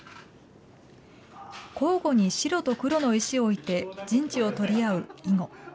交互に白と黒の石を置いて陣地を取り合う囲碁。